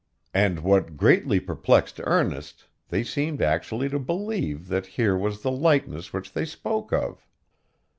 And, what greatly perplexed Ernest, they seemed actually to believe that here was the likeness which they spoke of.